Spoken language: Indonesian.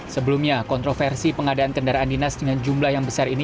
sebelumnya kontroversi pengadaan kendaraan dinas dengan jumlah yang besar ini